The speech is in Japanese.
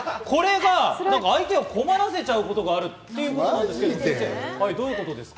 相手を困らせちゃうことがあるということなんです。